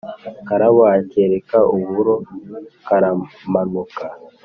karabo akereka uburo karamanuka.